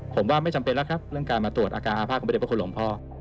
ผมว่าไม่จำเป็นแล้วครับเรื่องการมาตรวจอาการอาภาษณของเด็จพระคุณหลวงพ่อ